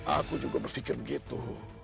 aku juga berpikir begitu